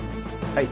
はい。